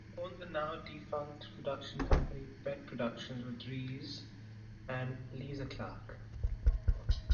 He owned the now defunct production company Pett Productions with Reeves and Lisa Clark.